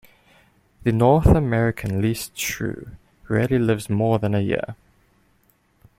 The North American least shrew rarely lives more than a year.